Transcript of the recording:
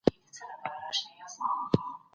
تاسو څومره فعال یاست؟